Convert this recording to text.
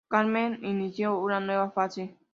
Carmen inició una nueva fase.